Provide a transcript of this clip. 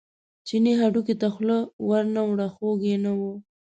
چیني هډوکي ته خوله ور نه وړه خوږ یې نه و.